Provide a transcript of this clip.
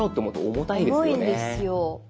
重いんですよ。